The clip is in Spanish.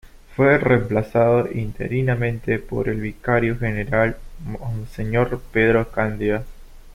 Fue reemplazado interinamente por el vicario general, Monseñor Pedro Candia.